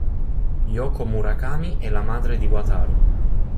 Yoko Murakami è la madre di Wataru.